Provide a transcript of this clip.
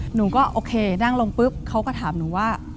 หนูก็โอเคนั่งลงปุ๊บเขาก็ถามหนูว่า